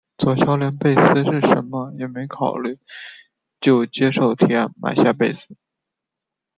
佐孝连贝斯是甚么也没考虑就接受提案买下贝斯。